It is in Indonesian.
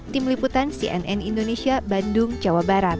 tim liputan cnn indonesia bandung jawa barat